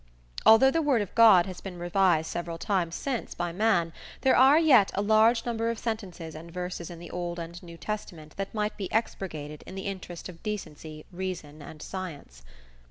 Although the "Word of God" has been revised several times since by man there are yet a large number of sentences and verses in the Old and New Testament that might be expurgated in the interest of decency, reason and science.